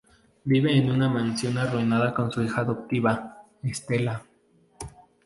Vive en una mansión arruinada con su hija adoptiva, Estella.